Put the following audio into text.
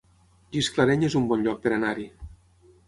Gisclareny es un bon lloc per anar-hi